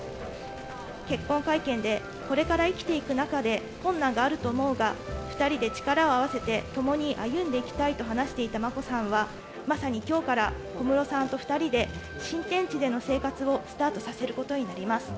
結婚会見でこれから生きていく中で困難があると思うが、２人で力を合わせて共に歩んでいきたいと話していた眞子さんは、まさにきょうから小室さんと２人で新天地での生活をスタートさせることになります。